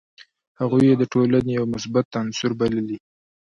هغوی یې د ټولني یو مثبت عنصر بللي.